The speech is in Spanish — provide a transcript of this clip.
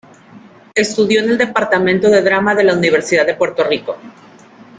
Estudió en el Departamento de Drama de la Universidad de Puerto Rico.